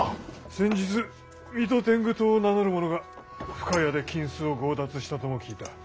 先日水戸天狗党を名乗る者が深谷で金子を強奪したとも聞いた。